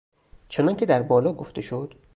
چنانکه در بالا گفته شد